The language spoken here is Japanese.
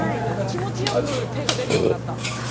気持ちよく手が出るようになった。